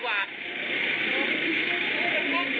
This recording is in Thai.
แล้วท้ายที่สุดก็ชักเกรงหมดสติอยู่